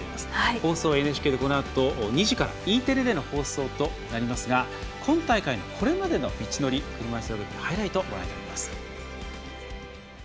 放送はＮＨＫでこのあと２時からＥテレでの放送となりますが今大会のこれまでの道のり車いすラグビーのハイライトをご覧ください。